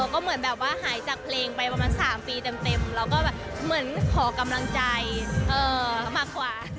ก็เหมือนแบบว่าหายจากเพลงไปประมาณ๓ปีเต็มแล้วก็แบบเหมือนขอกำลังใจมากกว่า